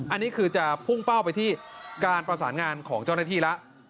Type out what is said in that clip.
อันนี้คือจะพุ่งเป้าไปที่การประสานงานของเจ้าหน้าที่แล้ว